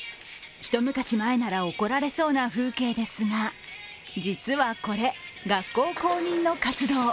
一昔前なら怒られそうな風景ですが実はこれ、学校公認の活動。